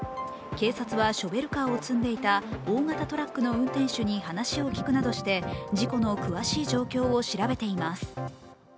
警察はショベルカーを積んでいた大型トラックの運転手に話を聞くなどして事故の詳しい状況を調べています。